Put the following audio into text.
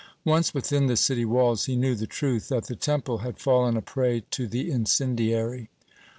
Once within the city walls, he knew the truth, that the Temple had fallen a prey to the incendiary.